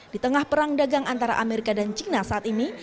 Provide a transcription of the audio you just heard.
di tengah perang dagang antara amerika dan china saat ini